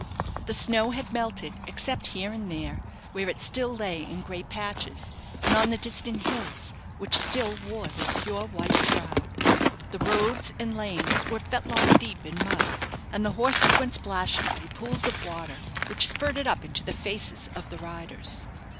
The snow had melted, except here and there, where it still lay in great patches; and on the distant hills, which still wore their pure white shroud. The roads and lanes were fetlock deep in mud, and the horses went splashing through pools of water, which spurted up into the faces of the riders.